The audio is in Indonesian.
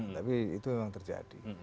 tapi itu memang terjadi